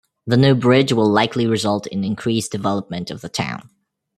The new bridge will likely result in increased development of the town.